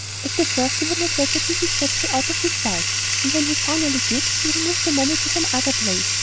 At the first he would not let that little satchel out of his sight, and when he finally did he had removed the money to some other place.